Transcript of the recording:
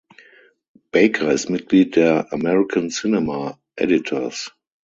Baker ist Mitglied der American Cinema Editors.